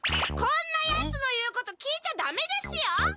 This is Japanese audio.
こんなヤツの言うこと聞いちゃダメですよ！